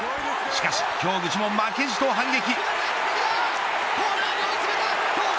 しかし京口も負けじと反撃。